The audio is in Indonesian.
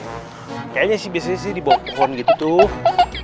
kayaknya sih biasanya sih di bawah pohon gitu tuh